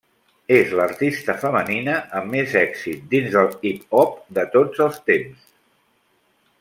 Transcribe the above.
És l'artista femenina amb més èxits dins del hip-hop de tots els temps.